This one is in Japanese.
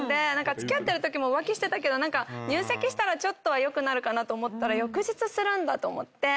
付き合ってるときも浮気してたけど入籍したら良くなるかなと思ったら翌日するんだと思って。